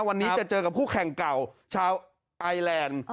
วันนี้จะเจอกับคู่แข่งเก่าชาวไทยแลนด์